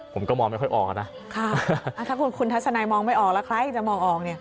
ผมก็มองไม่ค่อยออกอ่ะนะถ้าคุณคุณทัศนายมองไม่ออกแล้วใครจะมองออกเนี่ย